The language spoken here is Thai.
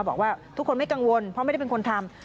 บอกว่าทุกคนไม่กังวลเพราะไม่ได้เป็นคนทำ